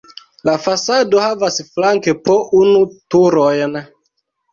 La fasado havas flanke po unu turojn.